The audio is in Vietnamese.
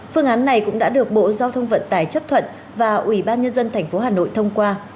phương án này cũng đã được bộ giao thông vận tải chấp thuận và ủy ban nhân dân tp hà nội thông qua